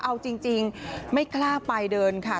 เอาจริงไม่กล้าไปเดินค่ะ